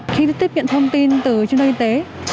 khi tiếp nhận thông tin từ trung tâm y tế